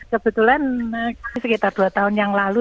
kebetulan sekitar dua tahun yang lalu